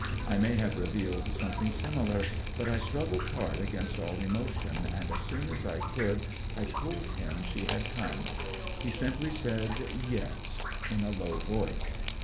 I may have revealed something similar; but I struggled hard against all emotion, and as soon as I could I told him she had come. He simply said 'Yes' in a low voice.